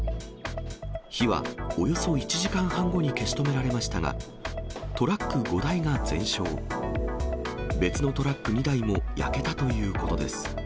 火はおよそ１時間半後に消し止められましたが、トラック５台が全焼、別のトラック２台も焼けたということです。